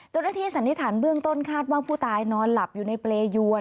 สันนิษฐานเบื้องต้นคาดว่าผู้ตายนอนหลับอยู่ในเปรยวน